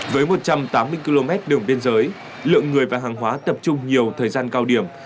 với một trăm tám mươi km đường biên giới lượng người và hàng hóa tập trung nhiều thời gian cao điểm